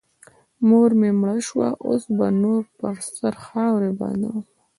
مور مې مړه سوه اوس به نو پر سر خاورې بادوم.